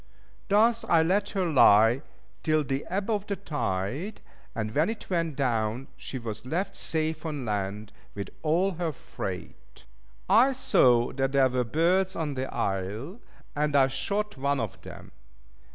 Thus I let her lie till the ebb of the tide, and when it went down, she was left safe on land with all her freight. I saw that there were birds on the isle, and I shot one of them.